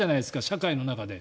社会の中で。